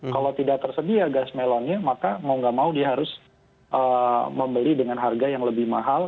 kalau tidak tersedia gas melonnya maka mau nggak mau dia harus membeli dengan harga yang lebih mahal